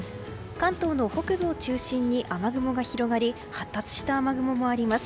関東の北部を中心に雨雲が広がり発達した雨雲もあります。